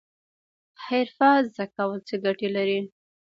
حرفه زده کول څه ګټه لري؟